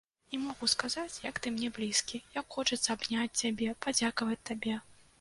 Не магу сказаць, як ты мне блізкі, як хочацца абняць цябе, падзякаваць табе.